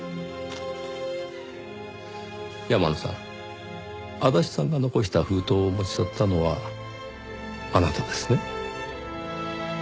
山野さん足立さんが残した封筒を持ち去ったのはあなたですね？